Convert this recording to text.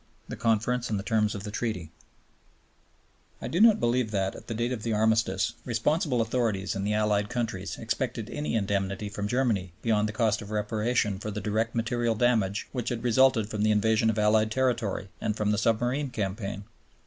The Conference and the Terms of the Treaty I do not believe that, at the date of the Armistice, responsible authorities in the Allied countries expected any indemnity from Germany beyond the cost of reparation for the direct material damage which had resulted from the invasion of Allied territory and from the submarine campaign.